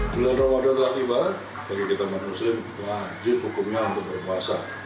bila ramadan telah tiba bagi kita manusia wajib hukumnya untuk berpuasa